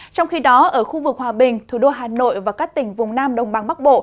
trong khi đó ở khu vực hòa bình thủ đô hà nội và các tỉnh vùng nam đông băng bắc bộ